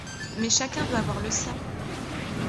Mais chacun veut avoir le sien.